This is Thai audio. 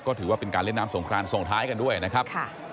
ก็ถือว่าเป็นการเล่นน้ำสงครานส่งท้ายกันด้วยนะครับ